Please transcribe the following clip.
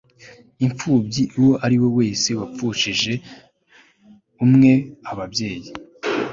imfubyi uwo ari we wese wapfushije umwe ababeyi